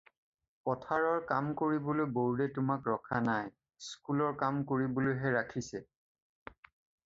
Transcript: পথাৰৰ কাম কৰিবলৈ বোৰ্ডে তোমাক ৰখা নাই, স্কুলৰ কাম কৰিবলৈহে ৰাখিছে।